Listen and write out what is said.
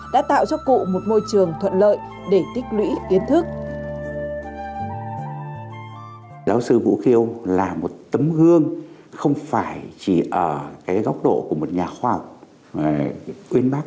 đã tạo cho cụ một môi trường thuận lợi để tích lũy kiến thức